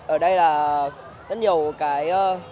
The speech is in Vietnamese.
ở đây là rất nhiều cái